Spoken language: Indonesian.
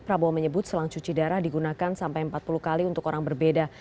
prabowo menyebut selang cuci darah digunakan sampai empat puluh kali untuk orang berbeda